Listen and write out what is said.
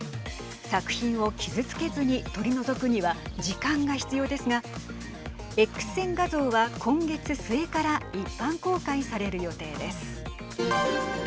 作品を傷つけずに取り除くには時間が必要ですがＸ線画像は今月末から一般公開される予定です。